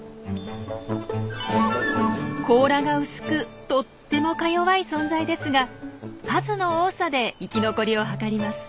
甲羅が薄くとってもかよわい存在ですが数の多さで生き残りを図ります。